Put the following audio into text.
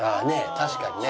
確かにね。